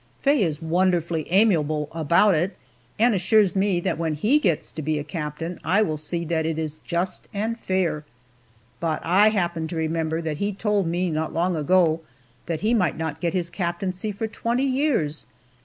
Faye is wonderfully amiable about it, and assures me that when he gets to be a captain I will see that it is just and fair. But I happen to remember that he told me not long ago that he might not get his captaincy for twenty years.